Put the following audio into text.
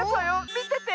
みてて！